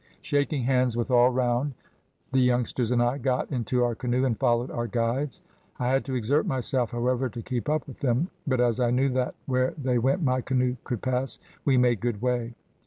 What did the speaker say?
Shaking hands with all round, the youngsters and I got into our canoe and followed our guides. I had to exert myself, however, to keep up with them, but as I knew that where they went my canoe could pass, we made good way.